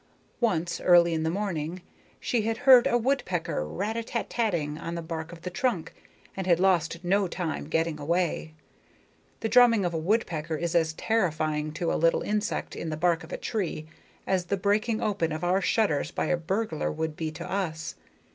Once, early in the morning, she had heard a woodpecker rat a tat tatting on the bark of the trunk, and had lost no time getting away. The drumming of a woodpecker is as terrifying to a little insect in the bark of a tree as the breaking open of our shutters by a burglar would be to us.